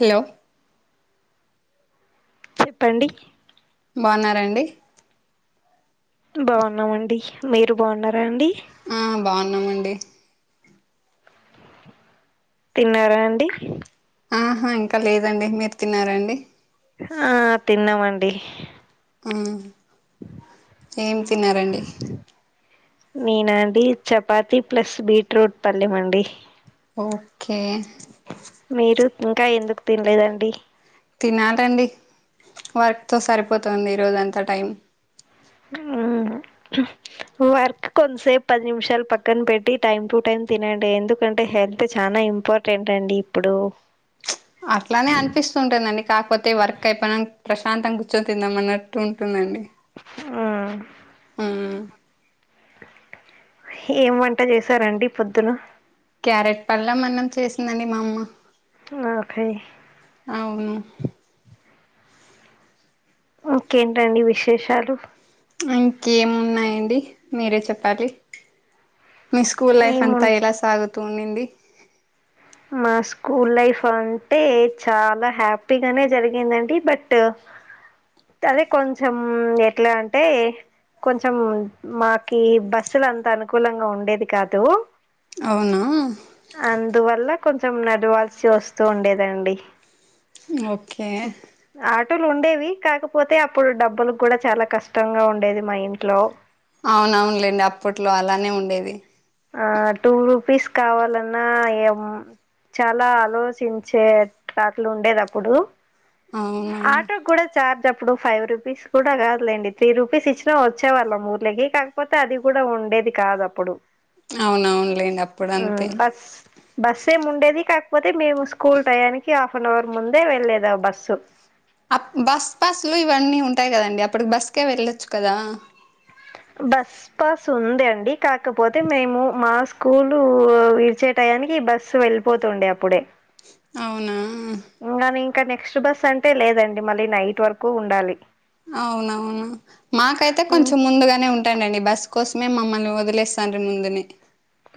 Hello చెప్పండి బాగున్నారండి బాగున్నామండి మీరు బాగున్నారా అండి. ఆ బాగున్నామండి. తిన్నారా అండి ఆహా ఇంకా లేదండి మీరు తిన్నారా అండి. డి ఊ ఏం తిన్నారండి. నేనా అండి చపాతి ప్లస్ బీట్రూట్ పల్లెం అండి. ఓకే మీరు ఇంకా ఎందుక్ తిన్లేదండి. తినాలండి వర్క్ తో సరిపోతుంది ఈరోజు అంతా టైం. ఆహ వర్క్ కొన్సేపు పది నిమిషాలు పక్కన్ పెట్టి టైమ్ టు టైమ్ తినండి ఎందుకంటే హెల్త్ చానా. న ఇంపార్టెంట్ అండి ఇప్పుడు అట్లానే అనిపిస్తుంటుందండి కాకపోతే వర్క్ అయిపోయినంక్ ప్రశాంతంగ కూర్చొని తిందాం అన్నట్టు ఉంటుందండి. ఆ ఉమ్ ఏం వంట చేసారండి పొద్దునా క్యారెట్ పళ్ళెం అన్నం చేశిందండి మా అమ్మా. ఆ ఓకే అవును ఓకేంటండి విశేషాలు ఇంకేమ్ ఉన్నాయండి మీరే చెప్పాలి. మీ స్కూల్ లైఫ్ అంతా ఏమున్ ఎలా సాగుతూ ఉండింది. మా స్కూల్ లైఫ్ అంటే చాలా హ్యాపీగానే జరిగిందండి బట్ట. తదే కొంచెం ఎట్లా అంటే. కొంచం మాకీ బస్సులు అంత అనుకూలంగా ఉండేది కాదూ. అవునా కొంచెం నడివాల్సి వస్తూ ఉండేదండి. ఓకే టులు ఉండేవి కాకపోతే అప్పుడు డబ్బులు కూడా చాలా కష్టంగా ఉండేది మా ఇంట్లో. అవున్ అవున్లేండి అప్పట్లో అలానే ఉండేది. ఆ టూ రూపీస్ కావాలన్నా ఎం చాలా ఆలోచించే తాట్లు ఉండేది అప్పుడూ. అవునవును ఆటోక్ గూడా చార్జ్ టప్పుడు ఫైవ్ రూపీస్ కూడా గాదులేండి త్రీ రూపీస్ ఇచ్చినా వచ్చే వాళ్ళం ఊర్లేకి కాకపోతే అది గూడా ఉం డేది కాదు అప్పుడు. అవున్ అవున్లేండి అప్పుడు అంతే బస్సేం ఉండేది కాక్పోతే మేము స్కూల్ టయానికి హాఫ్ ఆన్ అవర్ ముందే వెళ్లేది ఆ బస్సు. అప్ బస్ పాసులూ ఇవన్నీ ఉంటాయి కదండి అప్పుడు బస్కే వెళ్ళొచ్చు కదా. బస్ పాస్ ఉంది అండి కాకపోతే మేము మా స్కూలు విడిచే టై యానికి బస్సు వెళ్ళిపోతుండే అప్పుడే అవునా ఉమ్ గానీ ఇంకా నెక్స్ట్ బస్ అంటే లేదండి మళ్ళీ నైట్ వరకూ ఉండాలి అవునవును మాకైతే కొంచెం ముందుగానే ఉన్ టానండండి బస్ కోసమే మమ్మల్ని వదిలేస్తాండ్రి ముందునే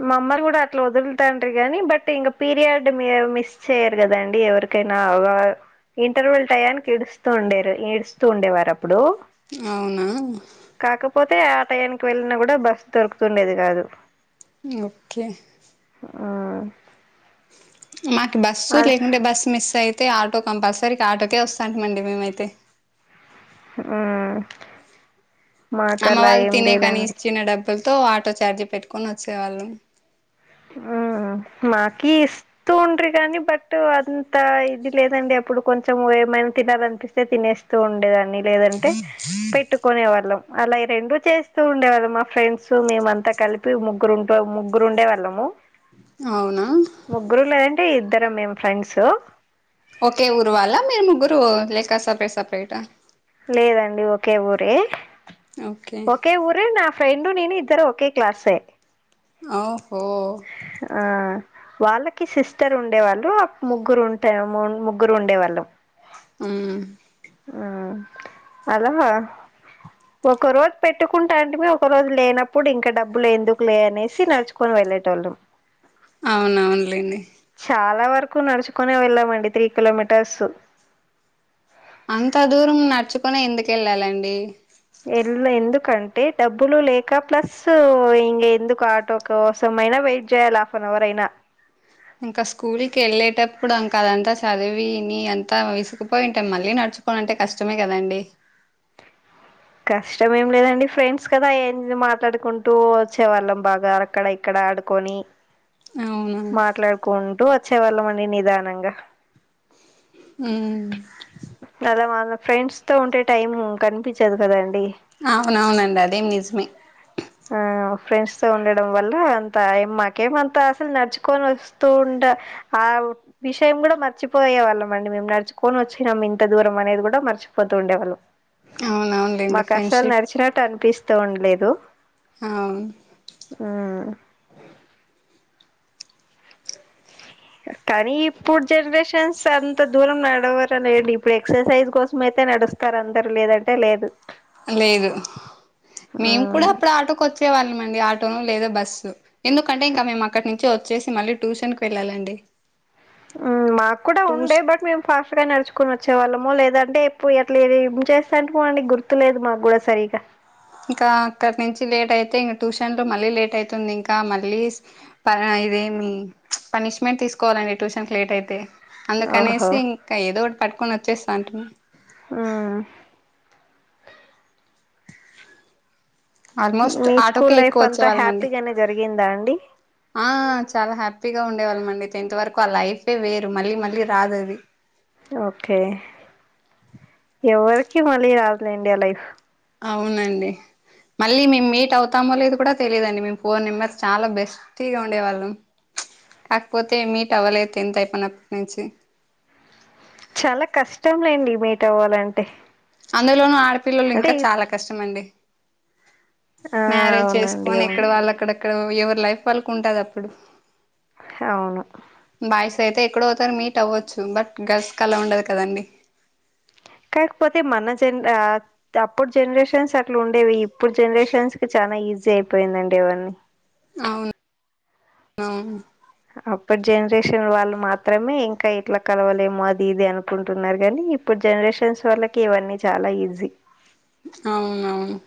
మమ్మరు గూడా అట్లా వదులుతాంటే గానీ బట్ ఇంక పీరియడ్ మ్యావ్ మిస్ చెయ్యరు గదండి ఎవరు కైనా అవగా ఇంటర్వెల్ టయానికి ఇడుస్తూ ఉండేరు ఏడుస్తూ ఉండేవార ప్పుడు అవునా కాకపోతే ఆ టయానికి వెళ్ళినా గూడా బస్ దొరుకుతుండేది గాదు ఓకే ఆ మాకి బస్సు లేకుంటే బస్సు మిస్ అయి తే ఆటో కంపల్సరీకి ఆటోకే వస్తాంటిమండి మేమైతే ఆ అమ్మ వాళ్ళు తినేకాని ఇచ్చిన డబ్బులతో ఆటో ఛార్జీ పెట్టుకొని వచ్చేవాళ్ళం ఆ మాకి ఇస్తూ ఉండ్రి గానీ బట్ అంత ఇది లేదండి అప్పుడు కొంచెము ఏ మేం తినాలనిపిస్తే తినేస్తూ ఉండేదాన్ని లేదంటే పెట్టుకొనేవాళ్ళం అలా ఈ రెండు చేస్తూ ఉండేవాళ్ళం మా ఫ్రెండ్స్ మేము అంతా కలిపి ముగ్గురు ఉంటే ముగ్గురు ఉండేవాళ్ళం అవునా టే ఇద్దరం మేం ఫ్రెండ్సు ఓకే ఊరు వాళ్ళా మీరు ముగ్గురూ లేక సపరేట్ సపరేటా లేదండి ఒకే ఊరే ఓకే ఒకే ఊరే నా ఫ్రెండూ నేను ఇద్దరూ ఓకే క్లాసే ఔ హో ఆ వాళ్ళకీ సిస్టర్ ఉండే వాళ్ళు ముగ్గురు ఉంటే ముగ్గురు ఉండేవా [inaudible] ఉమ్ ఊ అలా ఒక రోజు పెట్టుకుంటాంటిమి ఒక రోజు లేనప్పుడు ఇంకా డబ్బులు ఎందుకు లే అనేసి నడుచుకొని వే ఎల్లేటోళ్ళు అవునవును లేండి చాలా వరకు నడుచుకొనే వెళ్ళామండి త్రీ కిలోమీటర్స్ అంత దూరం నడుచుకొనే ఎందుకు ఎళ్ళాలండి ఎల్ ఎందుకంటే డబ్బులు లేక ప్లస్సు ఇంగ ఎందుకు ఆటో కోసమైనా వెయిట్ జేయాల హాఫనవర్ అయినా ఇంకా స్కూలికి ఎళ్ళేటప్పుడు అంక అదంతా సదివి ఇని అంతా విసుకుపోయింటాం మళ్ళీ న చుకో అంటే కష్టమే కదండి కష్టం ఏం లేదండి ఫ్రెండ్స్ కదా ఏంది మాట్లాడుకుంటూ వచ్చేవాళ్ళం బాగా అక్కడ ఇక్కడ ఆడుకొని అవునా మాట్లాడుకుంటూ వచ్చేవాళ్ళం అండి నిదానంగా ఊ అలా మన ఫ్రెండ్స్ తో ఉంటే టైము కనిపించదు కదన్ అవునవునండి అది నిజమే ఆ ఫ్రెండ్స్ తో ఉండడం వల్ల అంత ఏమ్ మాకేమంతా అసలు నడుచుకొని వస్తూ ఆ విషయం కూడా మర్చిపోయే వాళ్ళమండి మేము నడుచుకొని వచ్చినాం ఇంత దూరం అనేది కూడా మర్చిపోతూ ఉండేవాళ్ళం అవునవునులేండి మాకు అసలు ఫ్రెండ్షిప్ నడిచినట్టు అనిపిస్తూ ఉండలేదు అవును ఉమ్ ఆ కానీ ఇప్పుడు జనరేషన్స్ అంత దూరం నడవరులేండి ఇప్పుడు ఎక్సర్సైజ్ కోసం అయితే నడుస్తారు అందరూ లేదంటే లేదు లేదు మేము కూడా మ్మ్ అప్పుడు ఆటోకి వచ్చే వాళ్ళమండి ఆట ఆటోను లేదా బస్సు ఎందుకంటే ఇంకా మేము అక్కడి నుంచి వచ్చేసి మళ్ళీ ట్యూషన్ కి వెళ్ళాలండి మాకు కూడా ట్యూష్ ఉండే బట్ మేము ఫాస్ట్ గా నడుచుకొని వచ్చి చ్చే వాళ్ళమో లేదంటే ఎప్పుడు ఎట్లా ఏం చేస్తా అంటకో అండి గుర్తులేదు మాకు కూడా సరిగా ఇంకా అక్కడ నుంచి లేట్ అయితే ఇం ట్యూషన్ లో మళ్ళీ లేట్ అయితుంది ఇంకా మళ్ళీ ప ఇదేమి పనిష్మెంట్ తీసుకోవాలండి ట్యూషన్ కి లేట్ అయితే ఓహో అందుకనేసి ఇంకా ఏదో ఒకటి పట్టుకొని వచ్చేస్తాంటిమి ఆ ఆల్మోస్ట్ మీ స్కూల్ ఆటోకే లైఫ్ ఎక్కువ అంతా వచ్చేవాళ్ళమండి హ్యాపీగానే జరిగిందా అం ఆ చాలా హ్యాపీగా ఉండేవాళ్ళం అండి టెన్త్ వరకు ఆ లైఫే వేరు మళ్లీ మళ్లీ రాదు అది ఓకే ఎవరికి మళ్లీ రాదులేండి ఆ లైఫ్ అవునండి మళ్లీ మేము మీట్ అవుతామో లేదో కూడా తెలియదండి మేము ఫోర్ మెంబర్స్ చాలా బెస్టీగా ఉండేవాళ్ళం కాకపోతే మీట్ అవ్వలే టెన్త్ అయిపోయినప్పటి నుంచి చాలా కష్టం లేండి మీట్ అవ్వాలంటే అందులోనూ ఆడపిల్లలు అంటే ఇంకా ఇప్- చాలా కష్టమండి ఆ మ్యారేజ్ అవునండి చేసుకొని అవును ఎక్కడ వాళ్లు అక్కడక్కడో ఎవరి లైఫ్ వాళ్లకి ఉంటది అప్పుడు అవును బాయ్స్ అయితే ఎక్కడో అక్కడ మీట్ అవ్వచ్చు బట్ గర్ల్స్ కి అలా ఉండదు కదండి కాకపోతే మన జన అప్పుడు జనరేషన్స్ అట్లా ఉండేవి ఇప్పుడు జనరేషన్స్ కి చాలా ఈజీ అయిపోయిందండి ఇవన్నీ అవును అవును అప్పటి జనరేషన్ వాళ్లు మాత్రమే ఇంకా ఇట్లా కలువలేము అది ఇది అనుకుంటున్నారు గాని ఇప్పుడు జనరేషన్స్ వాళ్లకి ఇవన్నీ చాలా ఈజీ అవునవును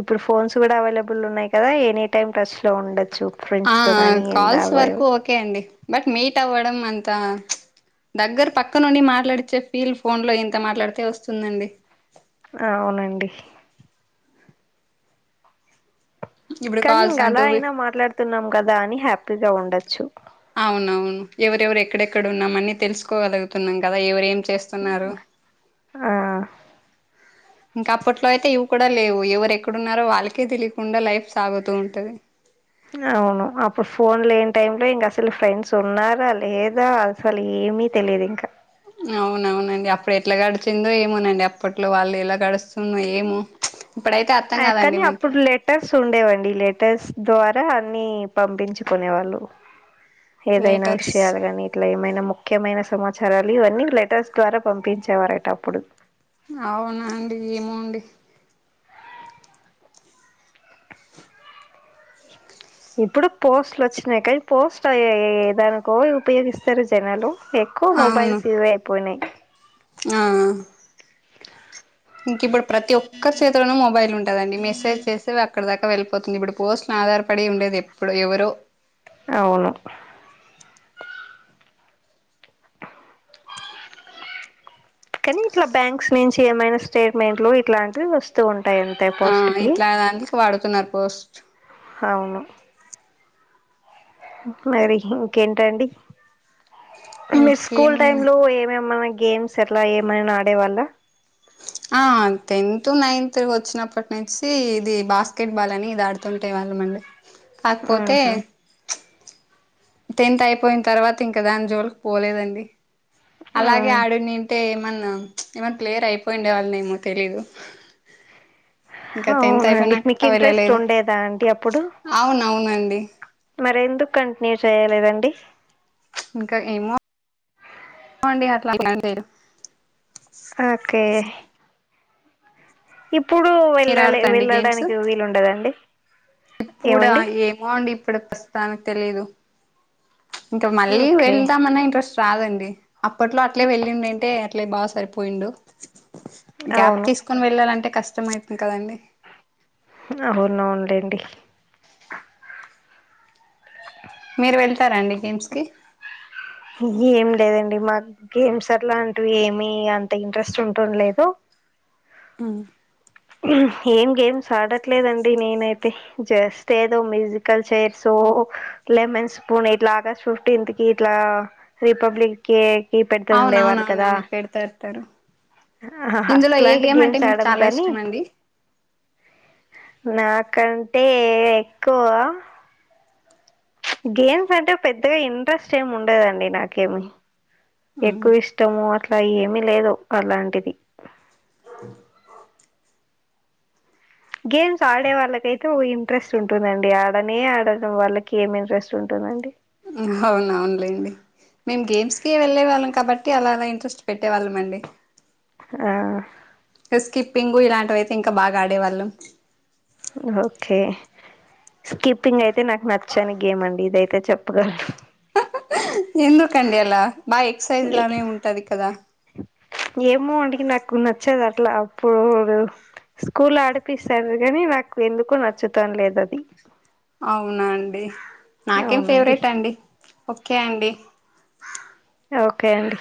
ఇప్పుడు ఫోన్స్ కూడా అవైలబుల్ ఉన్నాయి కదా ఎనీ టైమ్ టచ్ లో ఉండో ఆ ఆ కాల్స్ వరకు ఓకే అండి బట్ మీట్ అవ్వడం అంతా దగ్గర పక్కనుండి మాట్లాడిచే ఫీల్ ఫోన్ లో ఎంత మాట్లాడితే వస్తుందండి ఆ అవునండి ఇప్పుడు కానీ కాల్స్ ఇంగా అలా అంటూ అయినా మాట్లాడుతున్నాం కదా అని హ్యాపీగా ఉండొచ్చు అవునవును ఎవరెవరు ఎక్కడెక్కడ ఉన్నాం అని తెలుసుకోగలుగుతున్నాం కదా ఎవరేం చేస్తున్నారు ఆ ఇంకా అప్పట్లో అయితే ఇవి కూడా లేవు ఎవరు ఎక్కడున్నారో వాళ్లకే తెలియకుండా లైఫ్ సాగుతూ ఉంటది అవును అప్పుడు ఫోన్ లేని టైం లో ఇంక అసలు ఫ్రెండ్స్ ఉన్నారా లేదా అసలు ఏం మీ తెలియదు ఇంకా అవునవునండి అప్పుడు ఎట్లా గడిచిందో ఏమోనండి అప్పట్లో వాళ్లు ఎలా గడుస్తుందో ఏమో ఇప్పుడైతే అర్థం కనీ కాదండి మనకి అప్పుడు లెటర్స్ ఉండేవండి లెటర్స్ ద్వార్ గా అన్ని పంపించుకునే వాళ్లు ఏదైనా లెటర్స్ విషయాలు గానీ ఇట్లా ఏమైనా మొ ఖ్యమైన సమాచారాలు ఇవన్నీ లెటర్స్ ద్వారా పంపించేవారట అప్పుడు అవునా అండి ఏమోండి ఇప్పుడు పోస్ట్లు వచ్చినయి గ ఈ పోస్ట్ ఏదానికో ఉపయోగిస్తరు జనాలు ఎక్కువ అవును మొబైల్స్ ఇవే అయిపోయినయి ఆ ఇంకిప్పుడు ప్రతి ఒక్కరి చేతిలోనూ మొబైల్ ఉంటదండి మెసేజ్ చేస్తే అది అక్కడ దాకా వెళ్ళిపోతుంది ఇప్పుడు పోస్ట్ ఆధారపడి ఉండేది ఎప్పుడో ఎవరో అవును కనీ ఇట్లా బ్యాంక్స్ నుంచి ఏమైనా స్టేట్మెంట్లు ఇట్లాంటివి వస్తూ ఉన్ ఆ ఇట్లా దానికి వాడుతున్నరు పోస్ట్ అవును మరి ఇగ్ ఇంకేంటండి మీ స్కూల్ టైమ్ ఇంకేముంది లో ఏమేమన్నా గేమ్స్ అట్లా ఏమైన ఆడే వాళ్ల ఆ టెన్త్ నైన్త్ వచ్చినప్పటి నుంచి ఇది బాస్కెట్ బాల్ అని ఇది ఆడుతుంటె వాళ్ళమండి కాక్పోతే ఉహు టెన్త్ అయిపోయిన్తర్వాత ఇంకా దాని జోలికి పోలేదండి అలాగే ఆడుంనింటే ఏమన్నా ఏమన్న ప్లేయర్ అయిపోయిండే వాల్నేమో తెలీదు ఇంక టెన్త్ అవునండి మీకు అయిపోయినాక ఇంట్రెస్ట్ వెళ్ళలేదు ఉండేదా అండి అవునవునండి మరెందుకు కంటిన్యూ చేయలేదండి ఇంక ఏమో అండి అట్ల [unintelligible] ఓకే ఇప్పుడు మీరు వెళ్ళలె ఆడతాండి వెళ్ళడానికి వీలుండద అండి ఇప్పుడా ఏమో అండి ఇప్పుడు ప్రస్తుతానికి తెలీదు ఇంక మళ్ళీ ఓకే వెళ్దాం అన్నా ఇంట్రెస్ట్ రాదండి అప్పట్లో అట్లే వెళ్ళుండుంటే అట్లే బాగ సరిపో పోయిండు గ్యాప్ అవును తీసుకొని వెళ్ళాలంటే కష్టమైత్ అవునవును లేండి మీరు వెళ్తారా అండి గేమ్స్ కి ఏం లేదండి మాకు గేమ్స్ అట్లాంటివి ఏమి అంత ఇంట్రెస్ట్ ఉంటం లేదు ఉమ్ ఏం గేమ్స్ ఆడట్లేదండి నేనైతే జస్ట్ ఏదో మ్యూజికల్ చైర్స్ ఓ లెమన్ స్పూన్ ఇట్ల ఆగస్ట్ ఫిఫ్టీన్త్ కి ఇట్లా రిపబ్లిక్ కే కి పెడుతూ ఉండేవాళ్ళు కదా అవునవునవునండి పెడతారుతారు ఇందులో ఏ అట్లాంటి గేమ్ అంటే గేమ్స్ మీకు ఆడం చాలా కానీ ఇష్టం అండి నాకంటే ఎక్కువ గేమ్స్ అంటే పెద్దగా ఇంట్రెస్ట్ ఏమి ఉండదండి నాకేమి ఎక్కువ ఇష్టము అట్లా ఏమి లేదు అలాంటిది అ గేమ్స్ ఆడే వాళ్ళకైతే ఓ ఇంట్రెస్ట్ ఉంటదండి ఆడనే ఆడని వాళ్ళకి ఏం ఇంట్రెస్ట్ ఉంటదండి అవునవునులేండి మేం గేమ్స్ కి వెళ్ళే వాళ్ళం కాబట్టి అలా అలా ఇంట్రెస్ట్ పెట్టే వాళ్ళం అండి ఆ స్కిప్పింగు ఇలాంటివి అయితే ఇంకా బాగా ఆడేవాళ్ళం ఓకే స్కిప్పింగ్ అయితే నాకు నచ్చని గేమ్ అండి ఇదయితే చె ఎందుకండి అలా బాయ ఏ ఏమో వడికి నాక్కున్న నచ్చేది అట్లా అప్పుడు స్కూల్ల ఆడిపిస్తారు గాని నాకు ఎందుకు నచ్చుతం లేదు అది అవునా అండి నాకేం అవునండి ఫేవరెట్ అండి ఓకే అండి ఓకే అండి